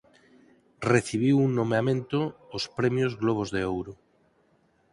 Recibiu un nomeamento ós premios Globos de Ouro.